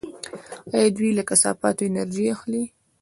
آیا دوی له کثافاتو انرژي نه اخلي؟